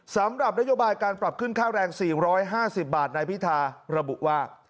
สำหรับนโยบายการปรับขึ้นค่าแรง๔๕๐บาทนายพิธาระบุว่า